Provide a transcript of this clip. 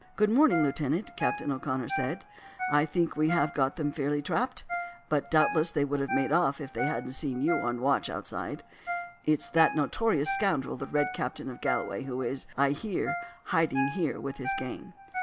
"Good morning, lieutenant!" Captain O'Connor said. "I think we have got them fairly trapped; but doubtless they would have made off if they hadn't seen you on the watch outside. It's that notorious scoundrel the Red Captain of Galway who is, I hear, hiding here with his gang."